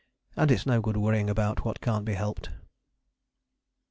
And it's no good worrying about what can't be helped.